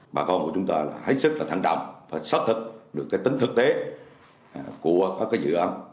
bà con của chúng ta hãy sức là thẳng đồng và xác thực được cái tính thực tế của các cái dự án